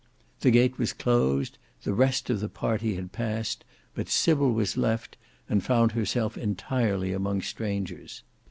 The gate was closed, the rest of the party had passed, but Sybil was left, and found herself entirely among strangers.